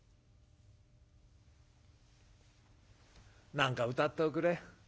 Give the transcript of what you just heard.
「『何か歌っておくれ。